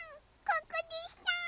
ここでした！